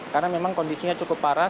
karena memang kondisinya cukup parah